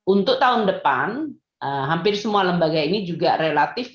untuk tahun depan hampir semua lembaga ini juga relatif